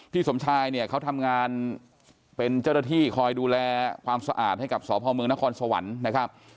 พี่สมชายเขาทำงานเป็นเจราที่คอยดูแลความสะอาดให้กับสพนสวันนะครับ